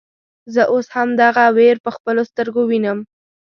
زه اوس هم دغه وير په خپلو سترګو وينم.